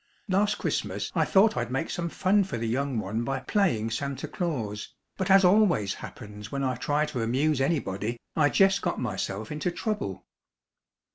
Last Christmas I thought I'd make some fun for the young one by playing Santa Claus, but as always happens when I try to amuse anybody I jes' got myself into trouble.